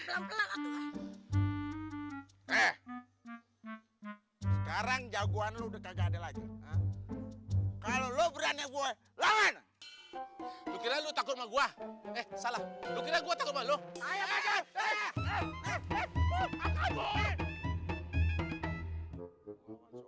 sekarang jagoan lu udah kagak ada lagi kalau lu berani gue lawan lu takut sama gua eh salah gue takut